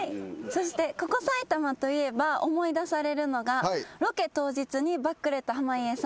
そしてここ埼玉といえば思い出されるのがロケ当日にバックれた濱家さん。